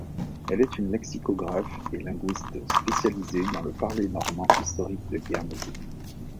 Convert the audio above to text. Elle est une lexicographe et linguiste spécialisée dans le parler normand historique de Guernesey.